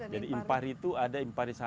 jadi impari itu ada impari satu impari dua